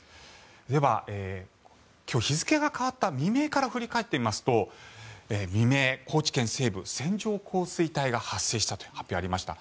では今日、日付が変わった未明から振り返ってみますと未明、高知県西部線状降水帯が発生したという発表がありました。